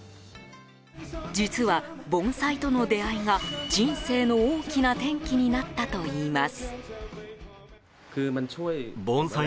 実は、盆栽との出会いが人生の大きな転機になったといいます。